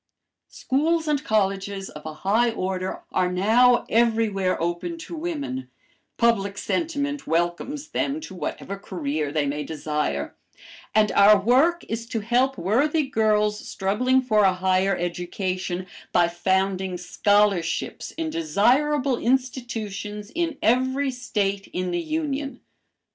Schools and colleges of a high order are now everywhere open to women, public sentiment welcomes them to whatever career they may desire, and our work is to help worthy girls struggling for a higher education, by founding scholarships in desirable institutions in every State in the Union.